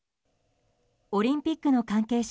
オリンピックの関係者